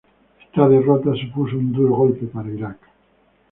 Esta derrota supuso un duro golpe para Irak.